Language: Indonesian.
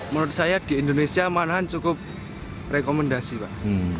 menurut saya di indonesia malahan cukup rekomendasi pak